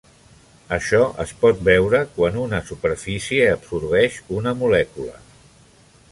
Això es pot veure quan una superfície absorbeix una molècula.